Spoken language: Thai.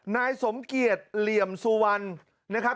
นายสมเกียจเหลี่ยมสุวรรณนะครับ